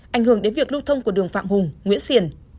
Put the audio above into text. ảnh hưởng đến việc lưu thông của đường phạm hùng nguyễn xiển